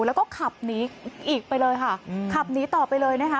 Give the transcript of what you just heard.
แล้วก็ขับหนีอีกไปเลยค่ะขับหนีต่อไปเลยนะคะ